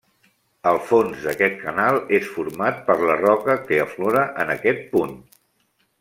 El fons d'aquest canal és format per la roca que aflora en aquest punt.